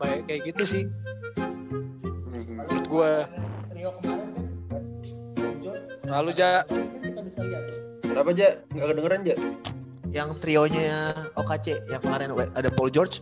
yang kayak gitu sih gua lalu jako nggak dengerin yang trionya oke yang kemarin ada paul george